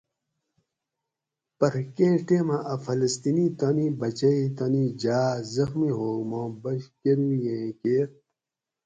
پرہ کیں ٹیمہ اۤ فلسطینی تانی بچئ تانی جاۤ زخمی ہوگ ما بچ کروگیں کیر